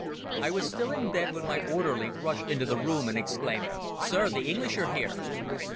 I was still in bed when my orderly rushed into the room and exclaimed: "Sir, the English are here!"